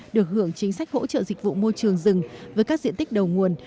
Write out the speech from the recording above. được hưởng chính sách hỗ trợ dịch vụ môi trường rừng với các diện tích đầu nguồn